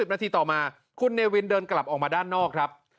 นาทีต่อมาคุณเนวินเดินกลับออกมาด้านนอกครับ